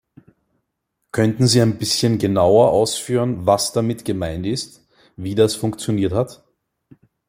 Könnten Sie ein bisschen genauer ausführen, was damit gemeint ist, wie das funktioniert hat?